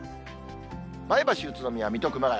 前橋、宇都宮、水戸、熊谷。